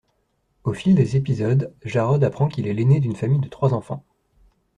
Au fil des épisodes, Jarod apprend qu'il est l'ainé d'une famille de trois enfants.